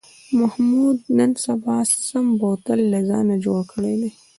محمود نن سبا سم بوتل له ځانه جوړ کړی دی.